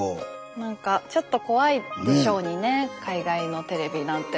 なんかちょっと怖いでしょうにね海外のテレビなんて。